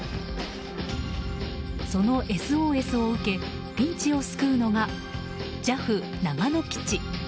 そのＳＯＳを受けピンチを救うのがＪＡＦ長野基地。